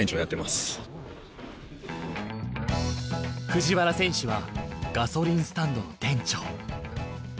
藤原選手はガソリンスタンドの店長。